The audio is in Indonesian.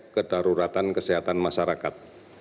kedaruratan kesehatan masyarakat